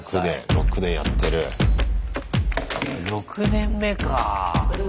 ６年目かあ。